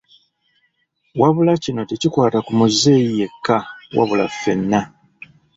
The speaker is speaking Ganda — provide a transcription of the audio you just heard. Wabula kino tekikwata ku muzeeyi yekka wabula ffena.